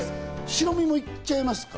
白身も行っちゃいますか？